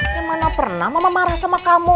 ya mana pernah mama marah sama kamu